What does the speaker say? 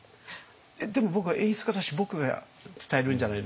「えっでも僕は演出家だし僕が伝えるんじゃないの？」。